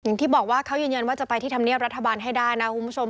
อย่างที่บอกว่าเขายืนยันว่าจะไปที่ธรรมเนียบรัฐบาลให้ได้นะคุณผู้ชม